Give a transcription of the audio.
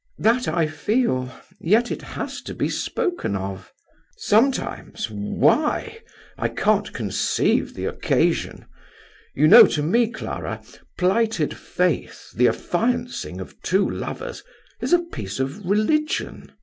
"That I feel; yet it has to be spoken of" "Sometimes? Why? I can't conceive the occasion. You know, to me, Clara, plighted faith, the affiancing of two lovers, is a piece of religion.